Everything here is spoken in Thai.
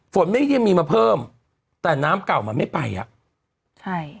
ฝนไม่ได้มีมาเพิ่มแต่น้ำเก่ามันไม่ไปอ่ะใช่